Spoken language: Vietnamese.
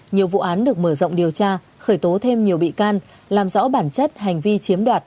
nhiều vụ án được mở rộng điều tra khởi tố thêm nhiều bị can làm rõ bản chất hành vi chiếm đoạt